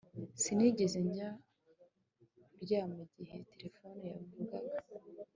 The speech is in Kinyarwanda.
Sinigeze njya kuryama igihe terefone yavugaga